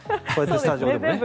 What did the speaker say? スタジオでもね。